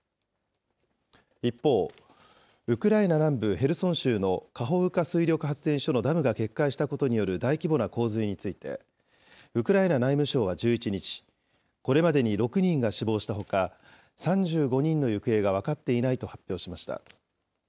一方、ウクライナ南部ヘルソン州のカホウカ水力発電所のダムが決壊したことによる大規模な洪水について、ウクライナ内務省は１１日、これまでに６人が死亡したほか、３５人の行方が分かっていないと発表しました。